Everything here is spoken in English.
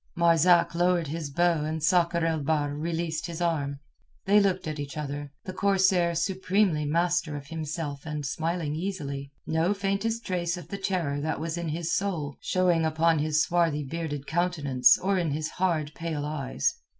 Marzak lowered his bow and Sakr el Bahr released his arm. They looked at each other, the corsair supremely master of himself and smiling easily, no faintest trace of the terror that was in his soul showing upon his swarthy bearded countenance or in his hard pale eyes.